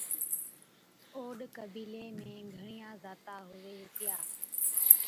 اوڏ قبيلي ۾ گھڻِيا ذاتا ھُوي ھِتيا